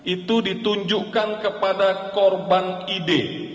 itu ditunjukkan kepada korban ide